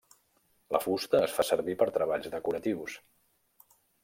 La fusta es fa servir per treballs decoratius.